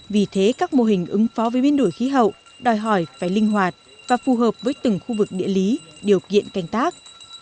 vì thế các mô hình ứng phó với biến đổi khí hậu đòi hỏi phải linh hoạt và phù hợp với từng khu vực địa lý điều kiện canh tác